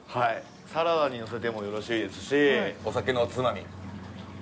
サラダにのせてもよろしいですしお酒のおつまみ。